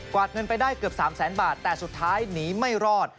เงินไปได้เกือบ๓แสนบาทแต่สุดท้ายหนีไม่รอด